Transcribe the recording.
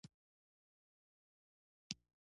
د سفر پر مهال د شخصي امنیت خیال وساته.